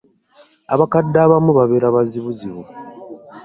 Abakadde abamu babeera bazibuzibu.